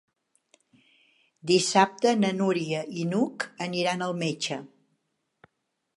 Dissabte na Núria i n'Hug aniran al metge.